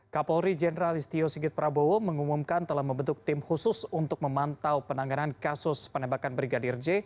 kapolri jenderal istio sigit prabowo mengumumkan telah membentuk tim khusus untuk memantau penanganan kasus penembakan brigadir j